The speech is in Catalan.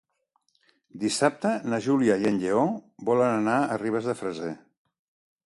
Dissabte na Júlia i en Lleó volen anar a Ribes de Freser.